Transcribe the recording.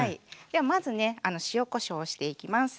ではまずね塩こしょうをしていきます。